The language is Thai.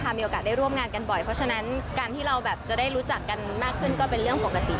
มีโอกาสได้ร่วมงานกันบ่อยเพราะฉะนั้นการที่เราแบบจะได้รู้จักกันมากขึ้นก็เป็นเรื่องปกติ